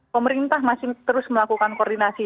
pemerintah masih terus melakukan koordinasi